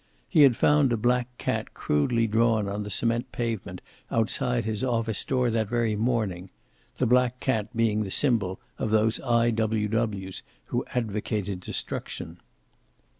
He had found a black cat crudely drawn on the cement pavement outside his office door that very morning, the black cat being the symbol of those I.W.W.'s who advocated destruction.